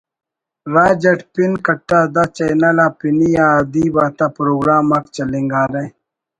راج اٹ پن کٹا the channel آ پنی آ ادیب آتا پروگرام آک چلینگارہ